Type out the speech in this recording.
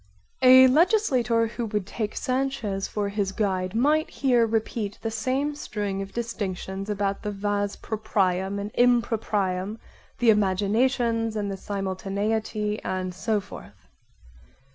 A legislator who should take Sanchez for his guide might here repeat the same string of distinctions about the vas proprium and improprium, the imaginations and the simultaneity and so forth.